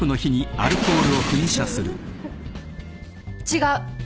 違う。